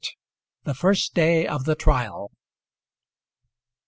THE FIRST DAY OF THE TRIAL.